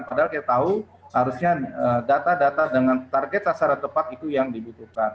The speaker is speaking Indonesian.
padahal kita tahu harusnya data data dengan target sasaran tepat itu yang dibutuhkan